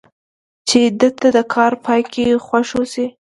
چې ته د کار په پای کې خوښ اوسې.